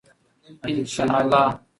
انشاءالله.